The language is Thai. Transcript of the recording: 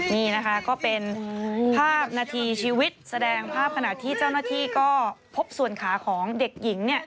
นี่นะคะก็เป็นภาพนาทีชีวิตแสดงภาพขณะที่เจ้าหน้าที่ก็พบส่วนขาของเด็กหญิง